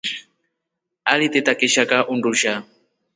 Aliteta kishaka undusha.